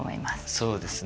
そうですね。